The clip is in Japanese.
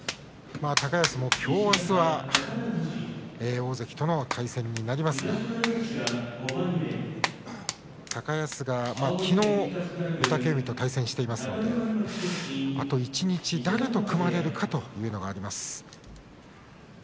高安も、きょう、あすは大関との対戦になりますが高安がきのう御嶽海と対戦していますのであと一日、誰と組まれるかというのがあります。